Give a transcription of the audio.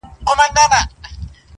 چی لېوه او خر له کلي را گوښه سول -